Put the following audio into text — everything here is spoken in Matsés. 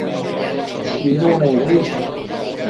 Chinunec nid